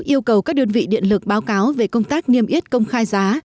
yêu cầu các đơn vị điện lực báo cáo về công tác nghiêm yết công khai giá